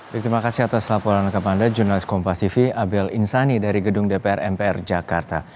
terima kasih atas laporan lengkap anda jurnalis kompativ abel insani dari gedung dpr mpr jakarta